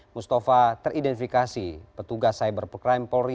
mustafa teridentifikasi petugas cyber crime polri